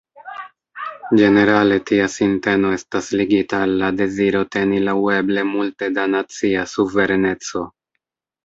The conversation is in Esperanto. Ĝenerale tia sinteno estas ligita al la deziro teni laŭeble multe da nacia suvereneco.